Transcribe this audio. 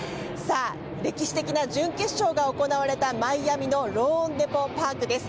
歴史的な準決勝が行われたマイアミのローンデポ・パークです。